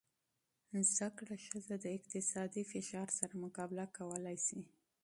زده کړه ښځه د اقتصادي فشار سره مقابله کولی شي.